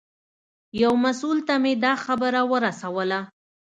یو مسوول ته مې دا خبره ورسوله.